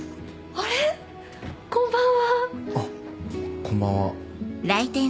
あっこんばんは。